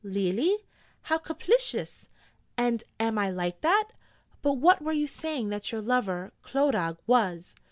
'Leally? How caplicious! And am I like that? but what were you saying that your lover, Clodagh, was?'